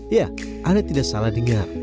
ya anda tidak salah dengar